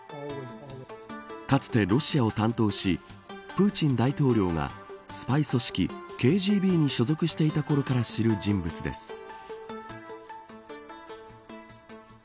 かつて、ロシアを担当しプーチン大統領がスパイ組織ＫＧＢに所属していたころから知る人物です。